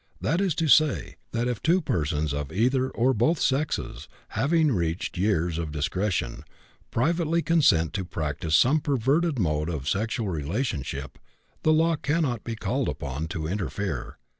That is to say, that if two persons of either or both sexes, having reached years of discretion, privately consent to practise some perverted mode of sexual relationship, the law cannot be called upon to interfere.